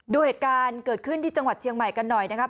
ดูเหตุการณ์เกิดขึ้นที่จังหวัดเชียงใหม่กันหน่อยนะครับ